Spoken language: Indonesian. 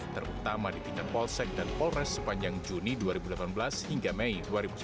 terutama di tingkat polsek dan polres sepanjang juni dua ribu delapan belas hingga mei dua ribu sembilan belas